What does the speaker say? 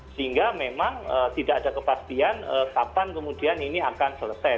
sehingga memang tidak ada kepastian kapan kemudian ini akan selesai